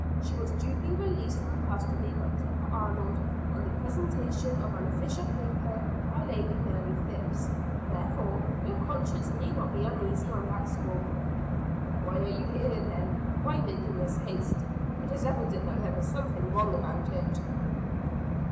She was duly released from custody by Keeper Arnold on the presentation of an official paper by Lady Mary Phips. Therefore your conscience need not be uneasy on that score." "Why are you here then why making this haste? It is evident that there is something wrong about it."